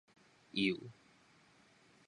幼